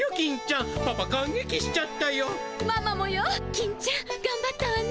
金ちゃんがんばったわね。